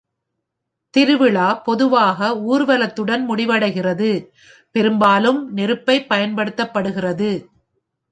திருவிழா பொதுவாக ஊர்வலத்துடன் முடிவடைகிறது, பெரும்பாலும் நெருப்பைப் பயன்படுத்துகிறது.